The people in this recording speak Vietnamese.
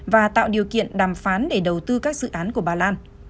và tạo điều kiện đàm phán để đầu tư các dự án của bà lan